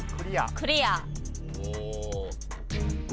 クリア。